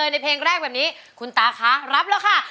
ดีใจไหมครับ